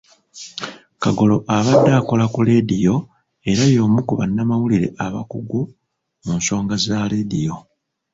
Kagolo abadde akola ku leediyo era y'omu ku bannamawulire abakugu mu nsonga za leediyo.